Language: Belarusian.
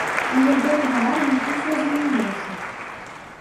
Але гэтым разам усё змянілася.